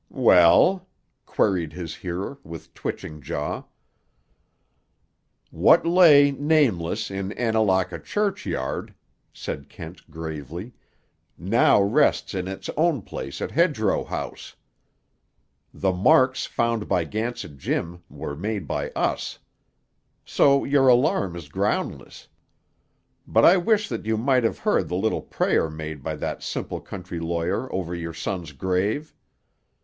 "Well?" queried his hearer, with twitching jaw. "What lay, nameless, in Annalaka churchyard," said Kent gravely, "now rests in its own place at Hedgerow House. The marks found by Gansett Jim were made by us. So your alarm is groundless. But I wish that you might have heard the little prayer made by that simple country lawyer over your son's grave.